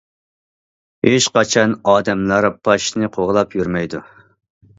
ھېچقاچان ئادەملەر پاشىنى قوغلاپ يۈرمەيدۇ.